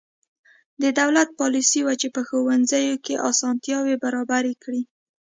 د دولت پالیسي وه چې په ښوونځیو کې اسانتیاوې برابرې کړې.